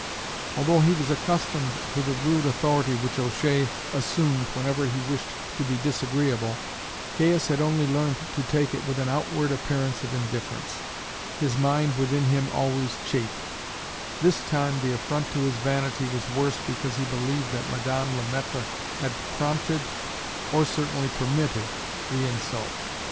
Although he was accustomed to the rude authority which O'Shea assumed whenever he wished to be disagreeable, Caius had only learned to take it with an outward appearance of indifference his mind within him always chafed; this time the affront to his vanity was worse because he believed that Madame Le Maître had prompted, or certainly permitted, the insult.